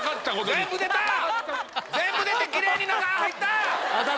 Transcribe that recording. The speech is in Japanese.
全部出てキレイに中入った！